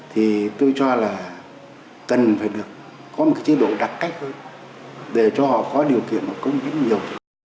thì tôi cho là cần phải được có một cái chế độ đặc cách hơn để cho họ có điều kiện mà cống hiến nhiều hơn